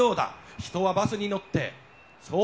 人はバスに乗ってそうです。